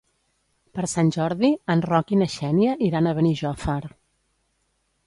Per Sant Jordi en Roc i na Xènia iran a Benijòfar.